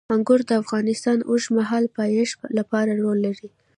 انګور د افغانستان د اوږدمهاله پایښت لپاره رول لري.